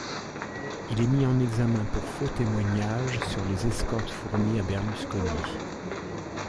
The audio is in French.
Il est mis en examen pour faux-témoignage sur les escorts fournies à Berlusconi.